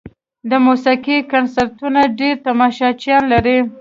د موسیقۍ کنسرتونه ډېر تماشچیان لري.